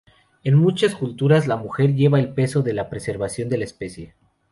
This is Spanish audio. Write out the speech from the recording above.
En muchas culturas, la mujer lleva el peso de la preservación de la especie.